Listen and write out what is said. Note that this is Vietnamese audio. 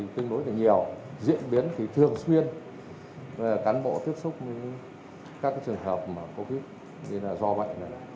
tương đối là nhiều diễn biến thì thường xuyên cán bộ tiếp xúc các trường hợp covid do bệnh này